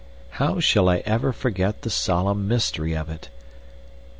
How shall I ever forget the solemn mystery of it?